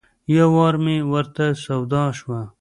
یو وار مې ورته سودا شوه.